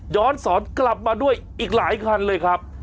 สอนกลับมาด้วยอีกหลายคันเลยครับ